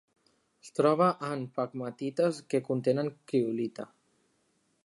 Es troba en pegmatites que contenen criolita.